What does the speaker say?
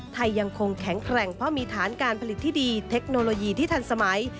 ยังคงแข็งแกร่งเพราะมีฐานการผลิตที่ดีเทคโนโลยีที่ทันสมัย